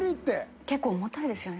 結構重たいですよね。